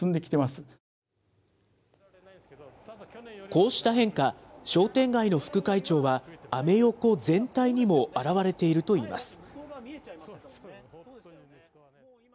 こうした変化、商店街の副会長は、アメ横全体にも表れているといいます。